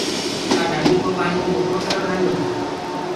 ڪآ ڍندي ڪو پآڻي رُڪرو پيڙو رهيندو هي؟